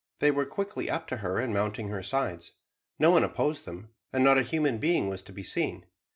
They were quickly up to her and mounting her sides. No one opposed them, and not a human being was to be seen.